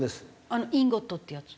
あのインゴットってやつ？